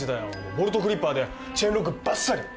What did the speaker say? ボルトクリッパーでチェーンロックばっさり。